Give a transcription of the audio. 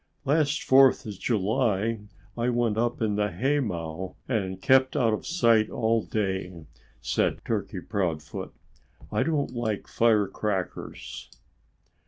"Last Fourth of July I went up in the haymow and kept out of sight all day," said Turkey Proudfoot. "I don't like firecrackers."